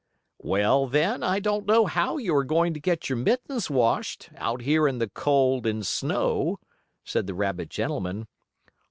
"Well, then, I don't know how you are going to get your mittens washed, out here in the cold and snow," said the rabbit gentleman.